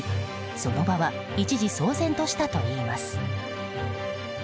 その場は一時騒然としたといいます。